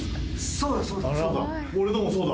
そうだそうだ。